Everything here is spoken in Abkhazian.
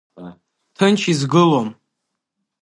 Ҭынч изгылом.